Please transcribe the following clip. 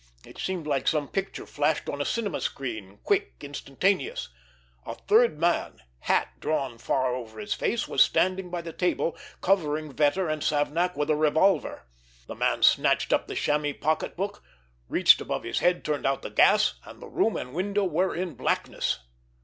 It seemed like some picture flashed on a cinema screen, quick, instantaneous. A third man, hat drawn far over his face, was standing by the table, covering Vetter and Savnak with a revolver. The man snatched up the chamois pocketbook, reached above his head, turned out the gas—and the room and window were in blackness.